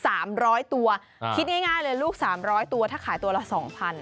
ลูก๓๐๐ตัวคิดง่ายเลยลูก๓๐๐ตัวถ้าขายตัวละ๒๐๐๐บาท